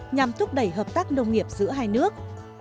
nhằm thúc đẩy hợp tác nông nghiệp giữa hai nước